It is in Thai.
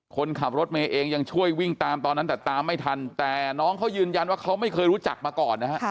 คนขับรถเมย์เองยังช่วยวิ่งตามตอนนั้นแต่ตามไม่ทันแต่น้องเขายืนยันว่าเขาไม่เคยรู้จักมาก่อนนะฮะ